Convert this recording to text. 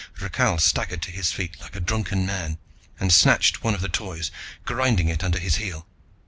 Rakhal staggered to his feet like a drunken man and snatched one of the Toys, grinding it under his heel.